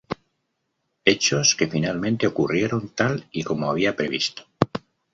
Hechos que finalmente ocurrieron tal y como había previsto.